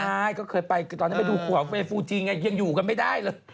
ใช่ก็เคยไปตอนนี้ไปดูฟูเจียงไงยังอยู่กันไม่ได้เลย